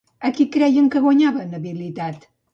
A qui creien que guanyava en habilitat?